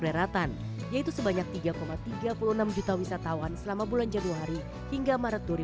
daratan yaitu sebanyak tiga tiga puluh enam juta wisatawan selama bulan januari hingga maret dua ribu dua puluh